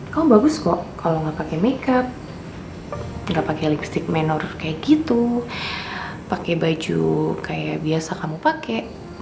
kamu bagus kok kalo gak pake makeup gak pake lipstick menor kayak gitu pake baju kayak biasa kamu pake